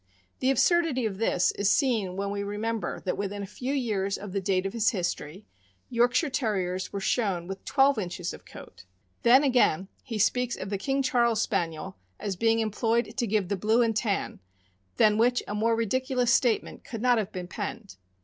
The absurdity of this is seen when we remember that within a few years of the date of his history, York shire Terriers were shown with twelve inches of coat. Then, again, he speaks of the King Charles Spaniel as being employed to give the blue and tan, than which a more ridiculous statement could not have been penned.